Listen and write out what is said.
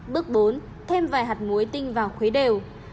bước bốn thêm vài hạt muối tinh vào khuế đều